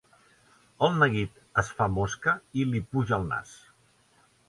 El neguit es fa mosca i li puja al nas.